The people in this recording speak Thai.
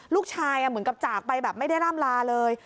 ลูกชายเหมือนกับจากไปไม่ได้ล่ำลาเลย